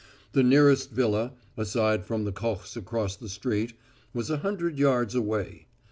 The nearest villa, aside from the Kochs' across the street, was a hundred yards away.